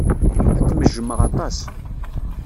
Ad kem-jjmeɣ aṭas.